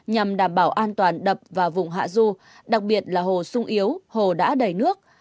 nhằm đảm bảo an toàn đập và vùng hạ du đặc biệt là hồ sung yếu hồ đã đầy nước